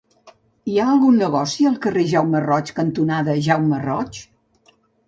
Hi ha algun negoci al carrer Jaume Roig cantonada Jaume Roig?